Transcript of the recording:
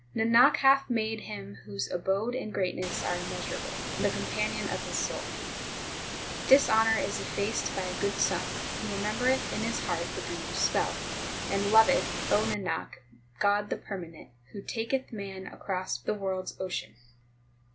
Nanak hath made Him whose abode and greatness are immeasurable, the companion of his soul. 14 Dishonour is effaced by a good son Who remembereth in his heart the Guru s spell, And loveth, O Nanak, God the permanent, Who taketh man across the world s ocean.